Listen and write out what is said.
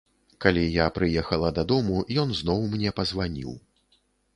Калі я прыехала дадому, ён зноў мне пазваніў.